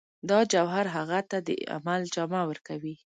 دا جوهر هغه ته د عمل جامه ورکوي